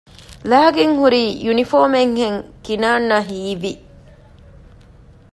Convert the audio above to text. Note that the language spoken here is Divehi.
ލައިގެންހުރީ ޔުނީފޯމެއްހެން ކިނާންއަށް ހީވި